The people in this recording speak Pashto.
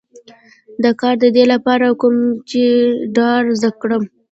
دا کار د دې لپاره کوم چې ډار زده کړم